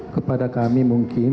kepada kami mungkin